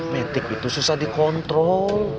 metik itu susah dikontrol